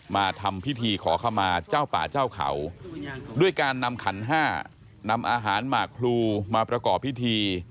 มาทำพิธีขอเข้ามาเจ้าป่าเจ้าเขาด้วยการนำขันห้านำอาหารหมากพลูมาประกอบพิธี